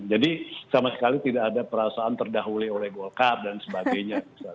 jadi sama sekali tidak ada perasaan terdahuli oleh golkar dan sebagainya